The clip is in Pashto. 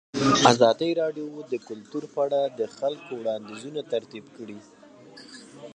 ازادي راډیو د کلتور په اړه د خلکو وړاندیزونه ترتیب کړي.